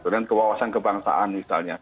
dan kewawasan kebangsaan misalnya